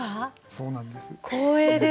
そうなんです。